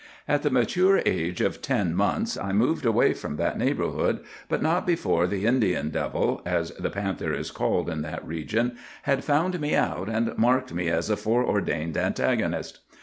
"At the mature age of ten months I moved away from that neighborhood, but not before the Indian devil, as the panther is called in that region, had found me out and marked me as a foreordained antagonist.